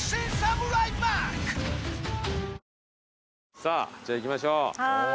さぁじゃあ行きましょう。